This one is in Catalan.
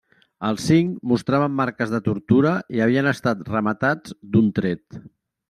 Els cinc mostraven marques de tortura i havien estat rematats d'un tret.